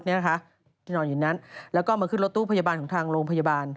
นี่นะคะที่นอนอยู่นั้นแล้วก็มาขึ้นรถตู้พยาบาลของทางโรงพยาบาล